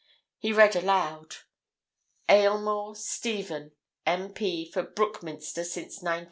He read aloud: "AYLMORE, STEPHEN, M.P. for Brookminster since 1910.